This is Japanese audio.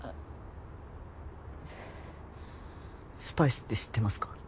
「スパイス」って知ってますか？